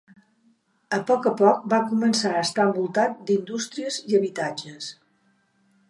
A poc a poc va començar a estar envoltat d'indústries i habitatges.